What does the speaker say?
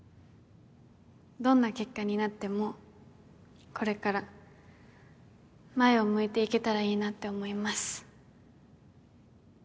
どんな結果になってもこれから前を向いて行けたらいいなって思います。